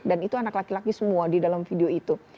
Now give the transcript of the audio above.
dan itu anak laki laki semua di dalam video itu